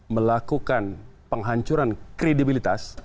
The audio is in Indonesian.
melakukan penghancuran kredibilitas